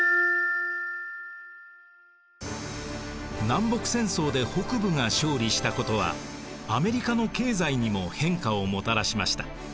南北戦争で北部が勝利したことはアメリカの経済にも変化をもたらしました。